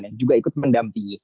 yang juga ikut mendampingi